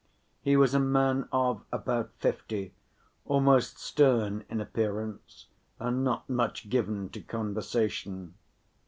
He was a man of about fifty, almost stern in appearance and not much given to conversation.